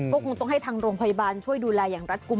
ก็คงต้องให้ทางโรงพยาบาลช่วยดูแลอย่างรัฐกลุ่ม